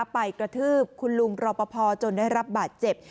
ไปกระทืบคุณลุงรอปภจนได้รับบาดเจ็บ